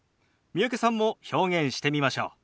三宅さんも表現してみましょう。